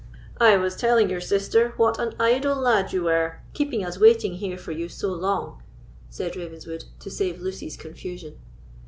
"I was telling your sister what an idle lad you were, keeping us waiting here for you so long," said Ravenswood, to save Lucy's confusion.